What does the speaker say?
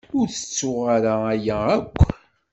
Ur tettuɣ ara aya akk.